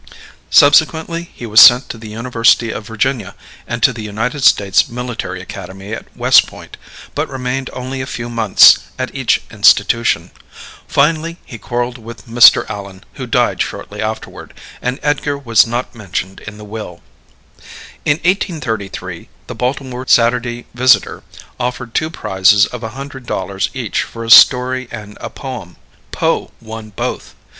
Subsequently he was sent to the University of Virginia and to the United States Military Academy at West Point, but remained only a few months at each institution. Finally he quarreled with Mr. Allan, who died shortly afterward; and Edgar was not mentioned in the will. In 1833 the Baltimore Saturday Visitor offered two prizes of a hundred dollars each for a story and a poem. Poe won both.